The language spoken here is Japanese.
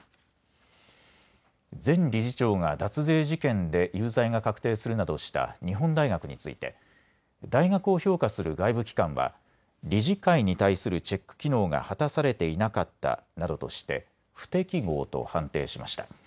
前理事長が脱税事件で有罪が確定するなどした日本大学について大学を評価する外部機関は理事会に対するチェック機能が果たされていなかったなどとして不適合と判定しました。